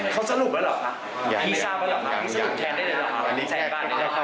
ครับไม่ตั้งใจเนอะ